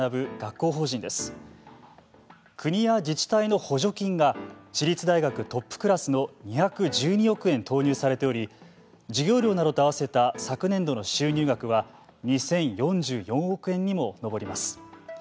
国や自治体の補助金が私立大学トップクラスの２１２億円投入されており授業料などと合わせた昨年度の収入額は２０４４億円にも上ります。